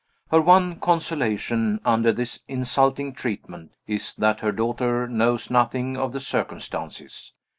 Her one consolation, under this insulting treatment, is that her daughter knows nothing of the circumstances.